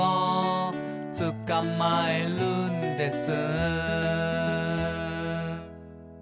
「つかまえるんです」